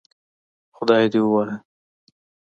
خدای دې ووهه